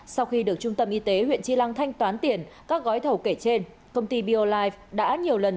sau khi được trung tâm y tế huyện chi lăng thanh toán tiền các gói thẩu kể trên công ty biolife đã nhiều lần